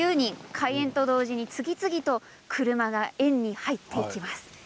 開園と同時に次々と車が園に入っていきます。